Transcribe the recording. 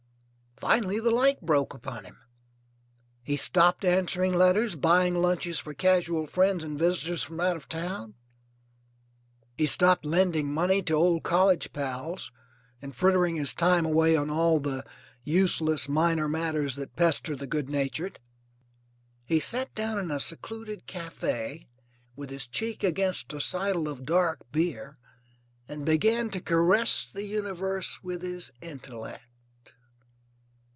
Finally the light broke upon him. He stopped answering letters, buying lunches for casual friends and visitors from out of town, he stopped lending money to old college pals and frittering his time away on all the useless minor matters that pester the good natured. He sat down in a secluded café with his cheek against a seidel of dark beer and began to caress the universe with his intellect.